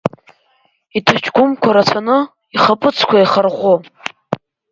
Иҭаҷкәымқәа раҵәаны, ихаԥыцқәа еихарӷәӷәо.